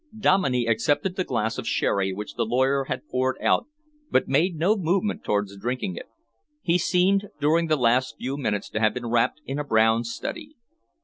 Dominey accepted the glass of sherry which the lawyer had poured out but made no movement towards drinking it. He seemed during the last few minutes to have been wrapped in a brown study.